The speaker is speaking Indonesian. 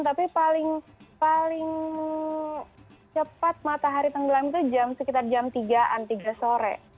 tapi paling cepat matahari tenggelam itu sekitar jam tiga an tiga sore